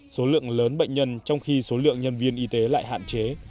số lượng lớn bệnh nhân trong khi số lượng nhân viên y tế lại hạn chế